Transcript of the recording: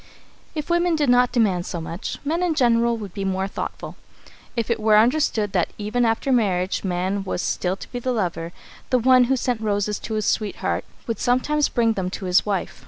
If women did not demand so much, men in general would be more thoughtful. If it were understood that even after marriage man was still to be the lover, the one who sent roses to his sweetheart would sometimes bring them to his wife.